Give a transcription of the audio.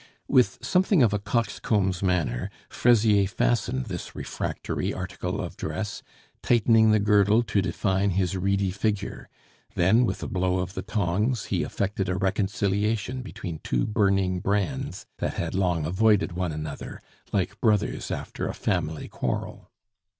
With something of a coxcomb's manner, Fraisier fastened this refractory article of dress, tightening the girdle to define his reedy figure; then with a blow of the tongs, he effected a reconciliation between two burning brands that had long avoided one another, like brothers after a family quarrel.